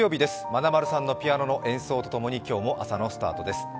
まなまるさんのピアノの演奏と共に今日も朝のスタートです。